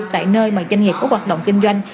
tại nơi mà doanh nghiệp có hoạt động kinh doanh